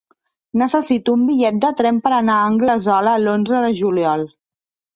Necessito un bitllet de tren per anar a Anglesola l'onze de juliol.